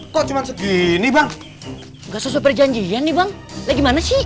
kok cuma segini bang